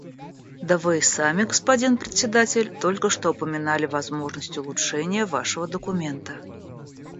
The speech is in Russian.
Да вы и сами, господин Председатель, только что упоминали возможность улучшения вашего документа.